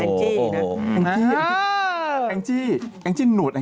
ไม่เหมือนตรงไหนคะแกะ